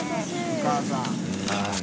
お母さん。